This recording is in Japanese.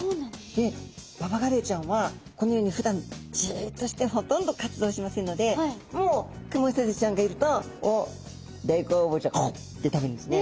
でババガレイちゃんはこのようにふだんじっとしてほとんど活動しませんのでもうクモヒトデちゃんがいるとおっ大好物ガブ！って食べるんですね。